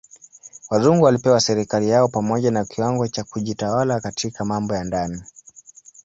Wazungu walipewa serikali yao pamoja na kiwango cha kujitawala katika mambo ya ndani.